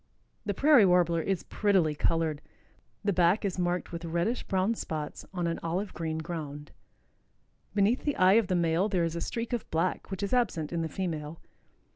The Prairie Warbler is prettily colored. The back is marked with reddish brown spots on an olive green ground. Beneath the eye of the male there is a streak of black which is absent in the female.